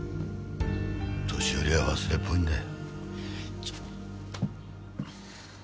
年寄りは忘れっぽいんだよ。